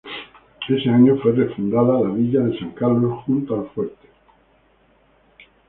Ese año fue refundada la Villa de San Carlos, junto al fuerte.